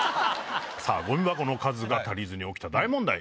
ゴミ箱の数が足りずに起きた大問題。